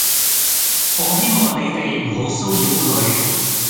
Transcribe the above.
我希望你哋唔好騷擾佢